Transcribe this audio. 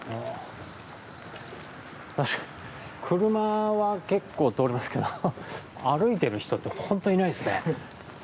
車は結構通りますけど歩いてる人ってホントいないっすね。